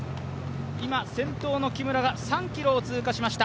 今、先頭の木村が３ｋｍを通過しました。